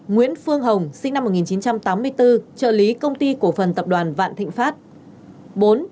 bốn nguyễn phương hồng sinh năm một nghìn chín trăm tám mươi bốn trợ lý công ty cổ phần tập đoàn vạn thịnh pháp